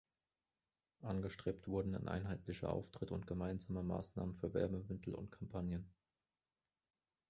Angestrebt wurden ein einheitlicher Auftritt und gemeinsame Maßnahmen für Werbemittel und Kampagnen.